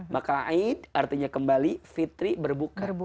maka a'id artinya kembali fitri berbuka